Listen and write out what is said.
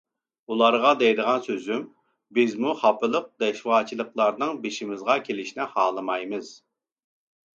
ئۇلارغا دەيدىغان سۆزۈم: بىزمۇ خاپىلىق، دىشۋارچىلىقلارنىڭ بېشىمىزغا كېلىشىنى خالىمايمىز.